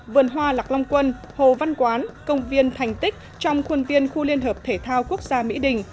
vườn hoa lạc long quân hồ văn quán công viên thành tích trong khuôn viên khu liên hợp thể thao quốc gia mỹ đình